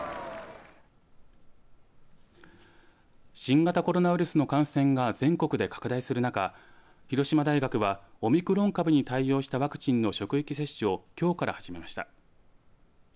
新型コロナウイルスの感染が全国で拡大する中広島大学はオミクロン株に対応したワクチンの職域接種をきょうから始めました。